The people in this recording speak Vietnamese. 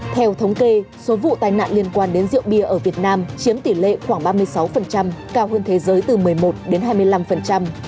theo thống kê số vụ tai nạn liên quan đến rượu bia ở việt nam chiếm tỷ lệ khoảng ba mươi sáu cao hơn thế giới từ một mươi một đến hai mươi năm